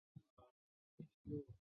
东南邻山王。